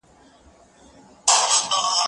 زه هره ورځ کتابونه لولم!.